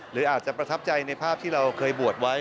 หรืออาจจะประทับใจในภาพที่เราเคยบวชไว้